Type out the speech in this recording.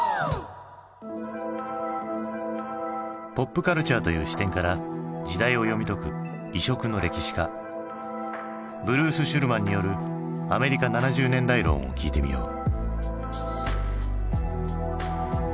ポップカルチャーという視点から時代を読み解く異色の歴史家ブルース・シュルマンによるアメリカ７０年代論を聞いてみよう。